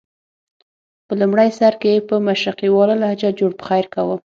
په لومړي سر کې یې په مشرقیواله لهجه جوړ پخیر کاوه.